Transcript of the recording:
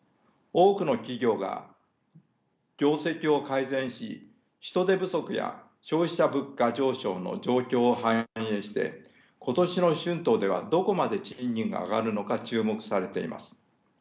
多くの企業が業績を改善し人手不足や消費者物価上昇の状況を反映して今年の春闘ではどこまで賃金が上がるのか注目されています。